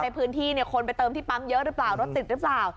ในพื้นที่คนไปเติมที่ปั๊มเยอะหรือเปล่ารถติดหรือเปล่า